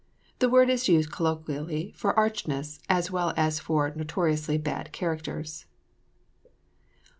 The word is used colloquially for archness, as well as for notoriously bad characters.